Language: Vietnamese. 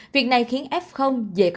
việc này khiến f dễ có chất